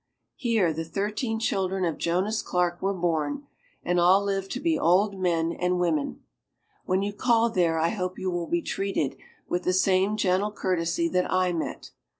Here the thirteen children of Jonas Clark were born, and all lived to be old men and women. When you call there I hope you will be treated with the same gentle courtesy that I met.